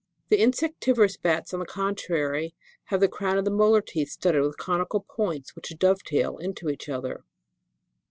1 4. The INSECTIVOROUS BATS, on the contrary, have the crown of the molar teeth studded with conical points which dovetail into each other.